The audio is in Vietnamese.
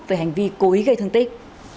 về hành vi cố ý gây thương tích